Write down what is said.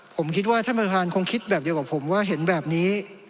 ผมคิดว่าท่านประธานคงคิดแบบเดียวกับผมว่าเห็นแบบนี้